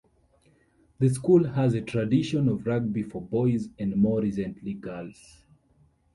The school has a tradition of rugby for boys and more recently girls.